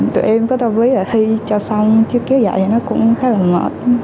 thí cho xong chứ kéo dậy thì nó cũng khá là mệt